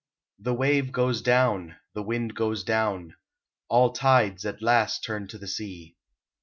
The wave goes down, the wind goes down, All tides at last turn to the sea.